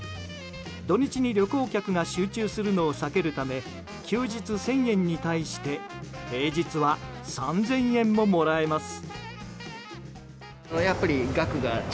土日に旅行客が集中するのを避けるため休日１０００円に対して平日は３０００円ももらえます。